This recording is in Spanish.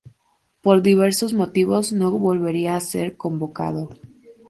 Por diversos motivos no volvería a ser convocado.